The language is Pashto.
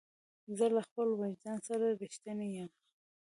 زه له خپل وجدان سره رښتینی یم.